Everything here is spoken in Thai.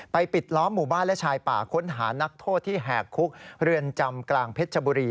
ปิดล้อมหมู่บ้านและชายป่าค้นหานักโทษที่แหกคุกเรือนจำกลางเพชรชบุรี